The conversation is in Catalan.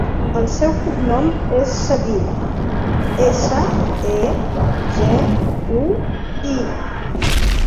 El seu cognom és Segui: essa, e, ge, u, i.